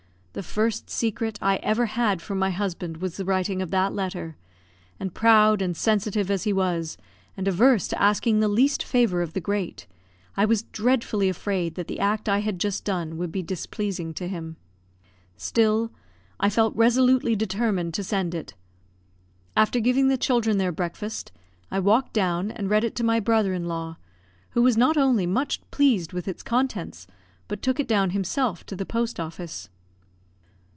The first secret I ever had from my husband was the writing of that letter; and, proud and sensitive as he was, and averse to asking the least favour of the great, I was dreadfully afraid that the act I had just done would be displeasing to him; still, I felt resolutely determined to send it. After giving the children their breakfast, I walked down and read it to my brother in law, who was not only much pleased with its contents, but took it down himself to the post office.